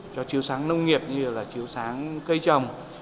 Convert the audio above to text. cho chiếu sáng nông nghiệp như là chiếu sáng cây trồng